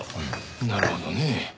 なるほどね。